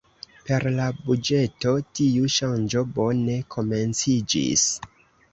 Per la buĝeto, tiu ŝanĝo bone komenciĝis.